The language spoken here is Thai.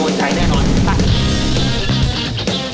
อร่อยมาก